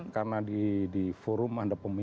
karena di forum ada pemimpin